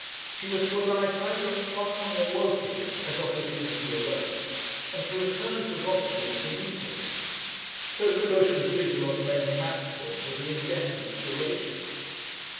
She was to alight either at Farnham or Woking, as opportunity arose, and to return to Vauxhall to meet him. So that Lewisham's vigil on the main platform was of indefinite duration.